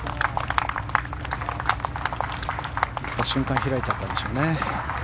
打った瞬間開いちゃったんでしょうね。